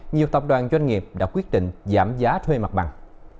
nhiều tập đoàn doanh nghiệp đã quyết định giảm giá thuê mặt bằng